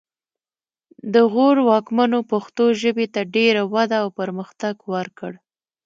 د غور واکمنو پښتو ژبې ته ډېره وده او پرمختګ ورکړ